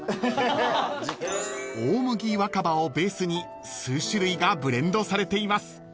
［大麦若葉をベースに数種類がブレンドされています］